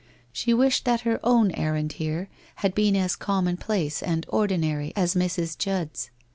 She "wished that her own errand here had been as com monplace and ordinary as Mrs. Judd's.